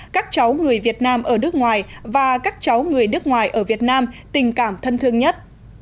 các cháu người việt nam ở nước ngoài và các cháu người nước ngoài ở việt nam tình cảm thân thương nhất